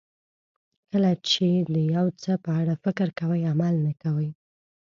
کله چې د یو څه په اړه فکر کوئ عمل نه کوئ.